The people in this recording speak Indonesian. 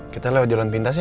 kita lewat jalan pintas sih